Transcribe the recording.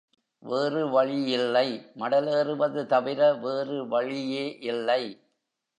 வேறு வழியில்லை மடலேறுவது தவிர வேறு வழியே இல்லை.